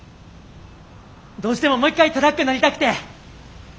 どうしてももう一回トラック乗りたくて。